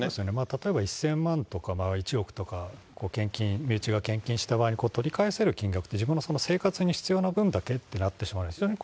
例えば１０００万とか１億とか、身内が献金した場合に取り返せる金額って、自分の生活に必要な分だけってなってしまうんですよね。